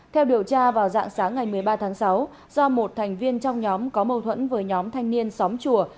theo điều tra vào dạng sáng ngày một mươi ba tháng sáu do một thành viên trong nhóm có mâu thuẫn với nhóm thanh niên xóm chùa